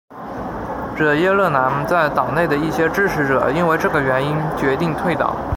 惹耶勒南在党内的一些支持者因为这个原因决定退党。